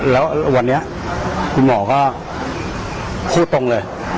แล้วที่วันนี้หมอก็พูดตรงเลย